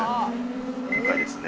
今回ですね。